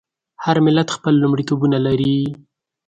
هر ملت خپل لومړیتوبونه لري.